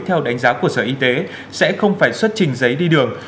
theo đánh giá của sở y tế sẽ không phải xuất trình giấy đi đường